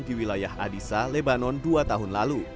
di wilayah adisa lebanon dua tahun lalu